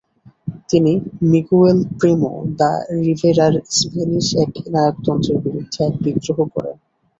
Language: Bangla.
তিনি মিগুয়েল প্রিমো দ্য রিভেরার স্প্যানিশ একনায়কতন্ত্রের বিরুদ্ধে এক বিদ্রোহ করেন।